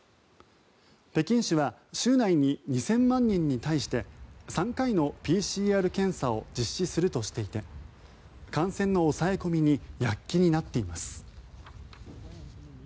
北京市は週内に２０００万人に対して３回のＰＣＲ検査を実施するとしていて感染の抑え込みに躍起になっています。